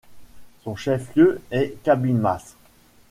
Son chef-lieu est Cabimas.